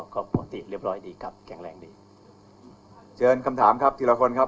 ก็ปกติเรียบร้อยดีครับแข็งแรงดีเชิญคำถามครับทีละคนครับ